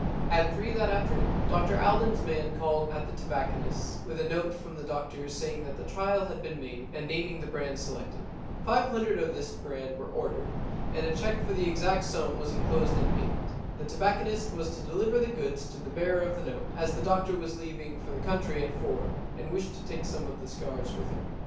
At three that afternoon Dr Alden's man called at the tobacconist's with a note from the doctor saying that the trial had been made and naming the brand selected. Five hundred of this brand were ordered, and a cheque for the exact sum was enclosed in payment. The tobacconist was to deliver the goods to the bearer of the note, as the doctor was leaving for the country at four and wished to take some of the cigars with him.